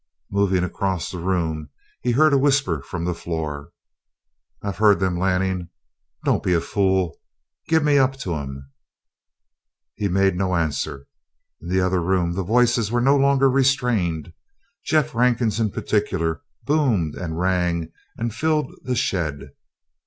Moving across the room he heard a whisper from the floor: "I've heard them, Lanning. Don't be a fool. Give me up to 'em!" He made no answer. In the other room the voices were no longer restrained; Jeff Rankin's in particular boomed and rang and filled the shed.